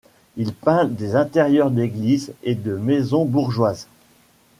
Il peint des intérieurs d’églises et de maisons bourgeoises.